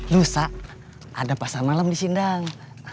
lu sa ada pasang malam di sindang